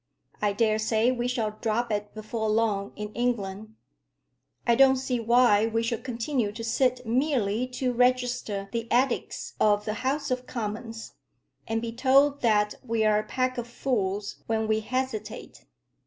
I daresay we shall drop it before long in England. I don't see why we should continue to sit merely to register the edicts of the House of Commons, and be told that we're a pack of fools when we hesitate."